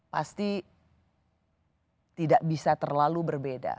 pasti tidak bisa terlalu berbeda